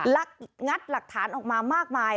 งัดหลักฐานออกมามากมาย